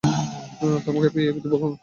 তোমাকে পেয়ে এই পৃথিবী ভাগ্যবান।